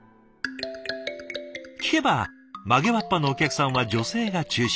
聞けば曲げわっぱのお客さんは女性が中心。